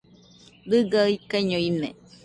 Dɨga ikaiño ine